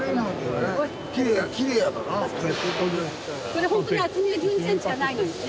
これほんとに厚みが１２センチしかないのにね